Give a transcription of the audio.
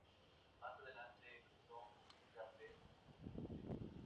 Más adelante Breton publica "Pez soluble".